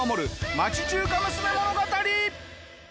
町中華娘物語！